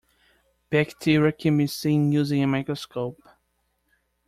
Bacteria can be seen using a microscope.